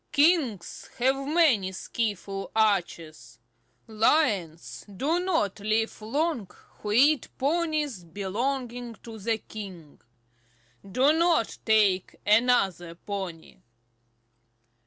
Kings have many skilful archers. Lions do not live long who eat ponies belonging to the king. Do not take another pony."